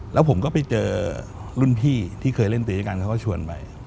แล้วผมก็ไปเจอรุ่นพี่ที่เคยเล่นตีด้วยกันเขาก็ชวนไป